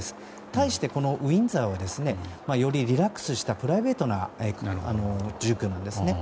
対して、このウィンザーはよりリラックスしたプライベートな住居なんですね。